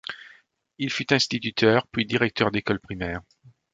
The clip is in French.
Il fut instituteur puis directeur d'école primaire.